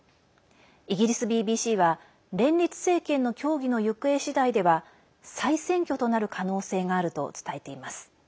イギリスＢＢＣは連立政権の協議の行方次第では再選挙となる可能性があると伝えています。